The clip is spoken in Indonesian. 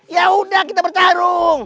yaudah kita bertarung